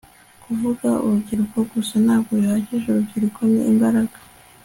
kuvuga urubyiruko gusa ntabwo bihagije urubyiruko ni imbaraga